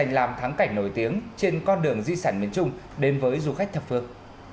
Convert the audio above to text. làm thắng cảnh nổi tiếng trên con đường di sản miền trung đến với du khách thập phương